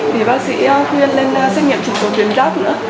thì bác sĩ khuyên lên xét nghiệm chỉ số tuyến giáp nữa